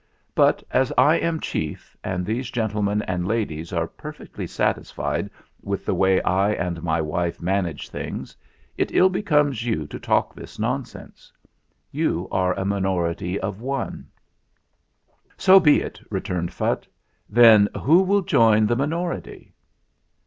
But, as I am chief, and these gentlemen and ladies are per fectly satisfied with the way I and my wife manage things, it ill becomes you to talk this nonsense. You are in a minority of one." 48 THE FLINT HEART "So be it," returned Phutt. "Then who will join the minority?"